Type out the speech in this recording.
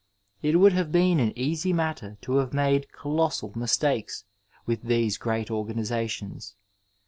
It would have been an easy matter to have made colossal mistakes with these great organisations.